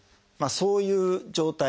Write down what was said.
そういう状態